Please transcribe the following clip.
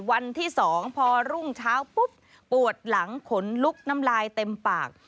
วันที่๒พอรุ่งเช้าปุ๊บปวดหลังขนลุกน้ำลายเต็มปาก